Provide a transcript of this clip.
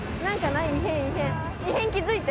異変気付いて。